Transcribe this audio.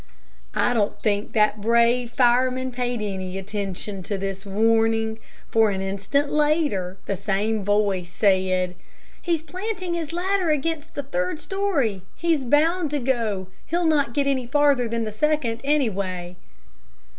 I don't think that the brave fireman paid any attention to this warning, for an instant later the same voice said, "He's planting his ladder against the third story. He's bound to go. He'll not get any farther than the second, anyway."